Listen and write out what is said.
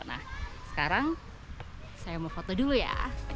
nah sekarang saya mau foto dulu ya